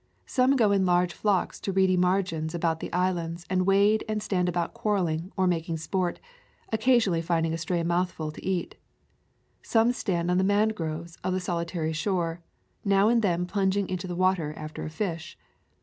Some go in large flocks to reedy margins about the islands and wade and stand about quarrelling or making sport, occasionally finding a stray mouthful to eat. Some stand on the mangroves of the soli tary shore, now and then plunging into the water after a fish.